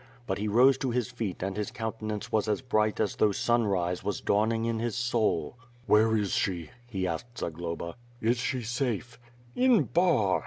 But he rose to his feet and his countenance was as bright as though sunrise was dawn ing in his soul. "Where is she?^^ he asked Zagloba. "Is she safe?" "In Bar."